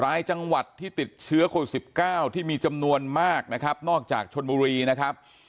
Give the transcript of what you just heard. รายจังหวัดที่ติดเชื้อโควิด๑๙ที่มีจำนวนมากนะครับนอกจากชนบุรีนะครับ